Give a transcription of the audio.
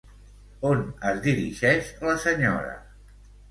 On es dirigeix la senyora?